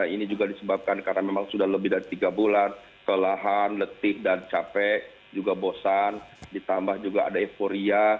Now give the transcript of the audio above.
ini juga disebabkan karena memang sudah lebih dari tiga bulan kelahan letih dan capek juga bosan ditambah juga ada euforia